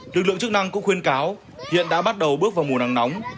lực lượng chức năng cũng khuyên cáo hiện đã bắt đầu bước vào mùa nắng nóng